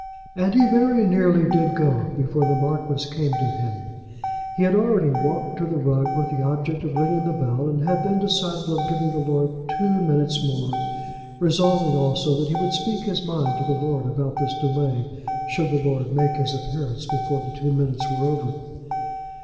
And he very nearly did go before the Marquis came to him. He had already walked to the rug with the object of ringing the bell, and had then decided on giving the lord two minutes more, resolving also that he would speak his mind to the lord about this delay, should the lord make his appearance before the two minutes were over.